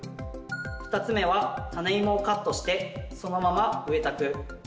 ２つ目はタネイモをカットしてそのまま植えた区。